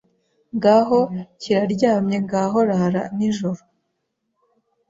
Ngaho kiraryamye ngaho rara nijoro